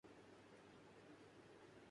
میں بھی ٹھیک ہوں